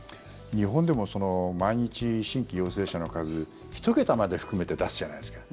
日本でも毎日新規陽性者の数１桁まで含めて出すじゃないですか。